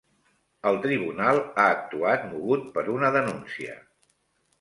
El Tribunal ha actuat mogut per una denúncia